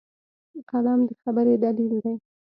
قلم د خبرې دلیل دی